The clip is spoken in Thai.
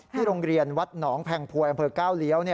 ที่โรงเรียนวัดหนองแผ่งพัวแอมเภอ๙เลี้ยว